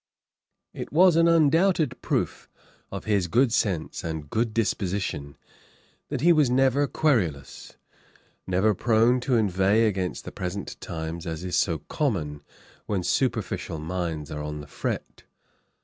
It was an undoubted proof of his good sense and good disposition, that he was never querulous, never prone to inveigh against the present times, as is so common when superficial minds are on the fret.